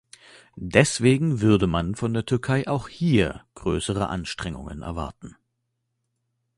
Deswegen würde man von der Türkei auch hier größere Anstrengungen erwarten.